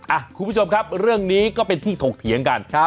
คุณผู้ชมครับเรื่องนี้ก็เป็นที่ถกเถียงกัน